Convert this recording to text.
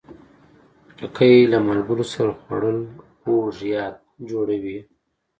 خټکی له ملګرو سره خوړل خوږ یاد جوړوي.